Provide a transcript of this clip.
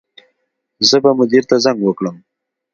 زه به مدیر ته زنګ وکړم